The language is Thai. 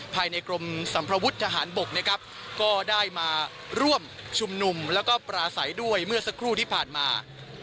ภายในกรมสัมภวุฒิทหารบกนะครับก็ได้มาร่วมชุมนุมแล้วก็ปราศัยด้วยเมื่อสักครู่ที่ผ่านมา